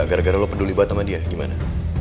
gara gara lo peduli banget sama dia gimana